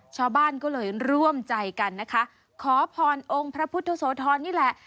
ชาวบ้านก็เลยร่วมใจกันนะคะขอพรองค์พระพุทธโสธรนี่แหละ